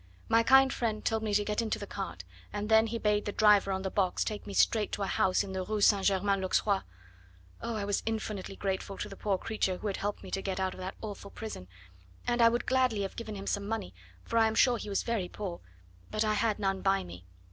My kind friend told me to get into the cart, and then he bade the driver on the box take me straight to a house in the Rue St. Germain l'Auxerrois. Oh! I was infinitely grateful to the poor creature who had helped me to get out of that awful prison, and I would gladly have given him some money, for I am sure he was very poor; but I had none by me.